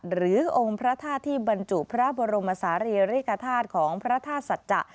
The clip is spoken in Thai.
หรือองค์พระธาตุที่บรรจุพระบรมศาลีริกฐาตุของพระธาตุสัจจะ